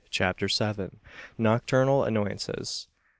CHAPTER SEVEN. NOCTURNAL ANNOYANCES.